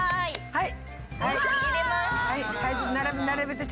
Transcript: はい。